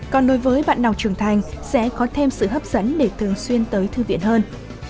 còn đối với bạn nào trưởng thành sẽ có thêm sự hấp dẫn để thường xuyên tới thư viện hơn